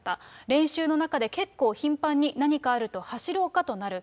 練習の中で結構頻繁に、何かあると走ろうかとなる。